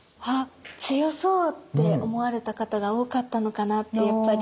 強そうって思われた方が多かったのかなってやっぱり。